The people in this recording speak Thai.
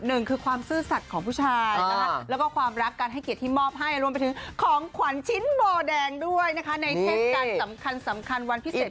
หนึ่งคือความซื่อสัตว์ของผู้ชายนะคะแล้วก็ความรักการให้เกียรติที่มอบให้รวมไปถึงของขวัญชิ้นโบแดงด้วยนะคะในเทศกาลสำคัญสำคัญวันพิเศษ